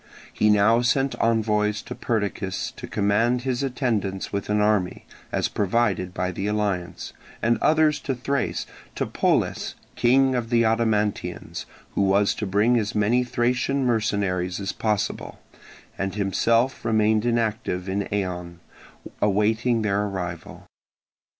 He now sent envoys to Perdiccas to command his attendance with an army, as provided by the alliance; and others to Thrace, to Polles, king of the Odomantians, who was to bring as many Thracian mercenaries as possible; and himself remained inactive in Eion, awaiting their arrival.